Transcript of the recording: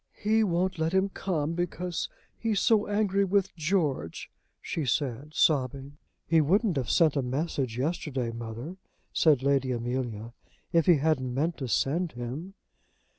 "He won't let him come because he's so angry with George," she said, sobbing. "He wouldn't have sent a message yesterday, mother," said Lady Amelia, "if he hadn't meant to send him."